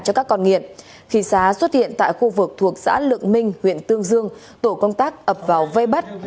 cho các con nghiện khi xá xuất hiện tại khu vực thuộc xã lượng minh huyện tương dương tổ công tác ập vào vây bắt